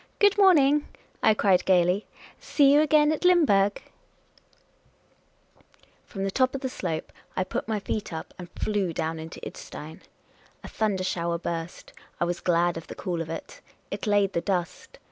"Good morning," I cried, gaily. "See you again at Ivimburg !*' 88 Miss Caylcy's Adventures From the top of the slope 1 put my feet up and flew down into Idstein. A thunder shower burst ; I was glad of the cool of it. It laid the dust.